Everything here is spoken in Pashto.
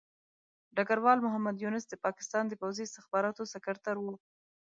ډګروال محمد یونس د پاکستان د پوځي استخباراتو سکرتر وو.